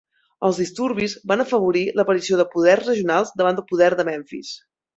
Els disturbis van afavorir l'aparició de poders regionals davant del poder de Memfis.